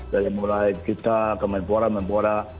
dari mulai kita ke manpora manpora